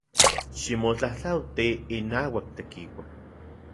Ximotlajtlauati inauak Tekiua.